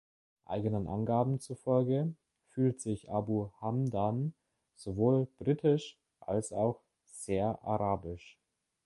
Eigenen Angaben zufolge fühlt sich Abu Hamdan sowohl „britisch“ als auch „sehr arabisch“.